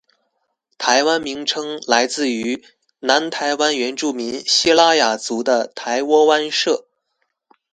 “台湾”名称来自于南台湾原住民西拉雅族的台窝湾社。